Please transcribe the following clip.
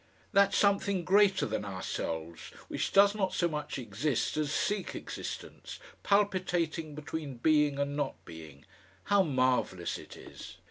That something greater than ourselves, which does not so much exist as seek existence, palpitating between being and not being, how marvellous it is!